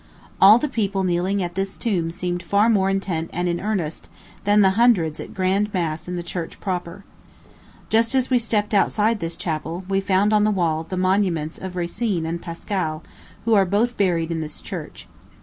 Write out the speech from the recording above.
All the people kneeling at this tomb seemed far more intent and in earnest than the hundreds at grand mass in the church proper. Just as we stepped outside this chapel, we found on the wall the monuments of Racine and Pascal, who are both buried in this church.